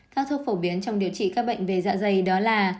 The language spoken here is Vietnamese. các thuốc phổ biến trong điều trị các bệnh về dạ dày đó là